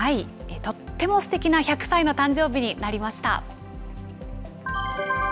とってもすてきな１００歳の誕生日になりました。